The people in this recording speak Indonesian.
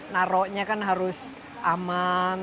naronya kan harus aman